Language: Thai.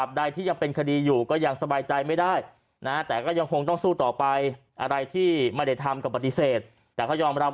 คนที่คุณก็รู้ว่าใครเนี่ยนะฮะฟังเสียงป้าแตนอีกทีครับ